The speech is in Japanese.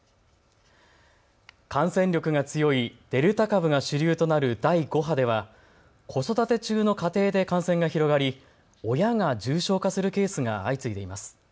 感染力が強いデルタ株が主流となる第５波では子育て中の家庭で感染が広がり親が重症化するケースが相次いでいます。